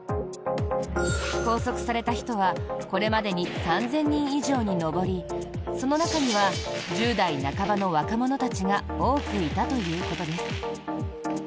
拘束された人はこれまでに３０００人以上に上りその中には１０代半ばの若者たちが多くいたということです。